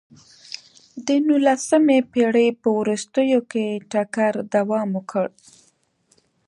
د نولسمې پېړۍ په وروستیو کې ټکر دوام وکړ.